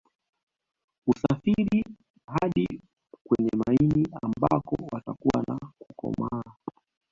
Husafiri hadi kwenye maini ambako watakua na kukomaa